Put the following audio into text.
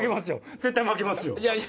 絶対負けますよ。